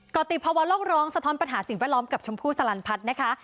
กรติภาวะโลกร้องสะท้อนปัญหาสิ่งแวดล้อมกับชมพู่สลันพัฒน์นะคะ